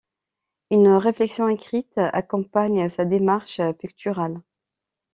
Une réflexion écrite accompagne sa démarche picturale.